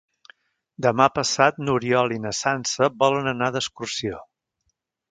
Demà passat n'Oriol i na Sança volen anar d'excursió.